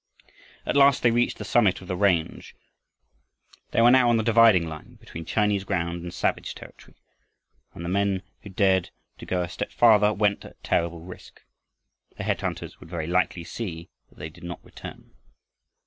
At last they reached the summit of the range. They were now on the dividing line between Chinese ground and savage territory, and the men who dared go a step farther went at terrible risk. The head hunters would very likely see that they did not return.